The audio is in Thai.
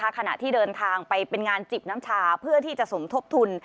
ขณะที่เดินทางไปเป็นงานจิบน้ำชาเพื่อที่จะสมทบทุน